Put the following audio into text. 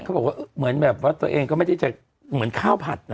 แล้วแบบว่าตัวเองก็ไม่ใช่เมือนข้าวผัด